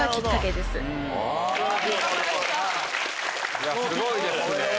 いやすごいですね。